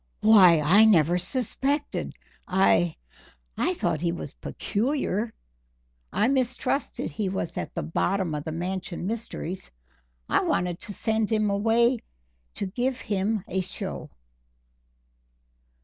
"Why, I never suspected I I thought he was peculiar I mistrusted he was at the bottom of the Mansion mysteries I wanted to send him away to give him a show."